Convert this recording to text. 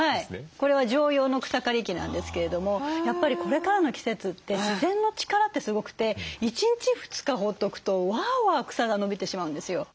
これは常用の草刈り機なんですけれどもやっぱりこれからの季節って自然の力ってすごくて１日２日放っとくとわあわあ草が伸びてしまうんですよ。